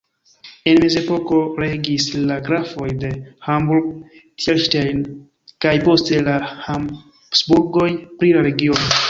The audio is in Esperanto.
En mezepoko regis la Grafoj de Homburg-Thierstein kaj poste la Habsburgoj pri la regiono.